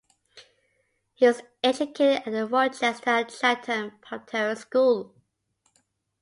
He was educated at the Rochester and Chatham Proprietary School.